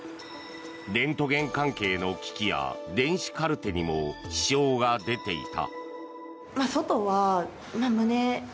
レントゲン関係の機器や電子カルテにも支障が出ていた。